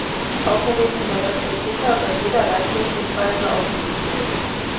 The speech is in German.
Außerdem hinterlässt der Täter bei jeder Leiche Hinweise auf die Bibel.